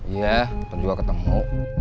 iya ntar juga ketemu